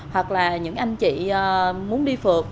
hoặc là những anh chị muốn đi phượt